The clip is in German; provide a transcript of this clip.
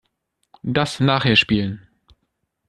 Das nachher spielen.